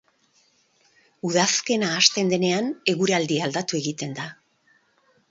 Udazkena hasten denean, eguraldia aldatu egiten da.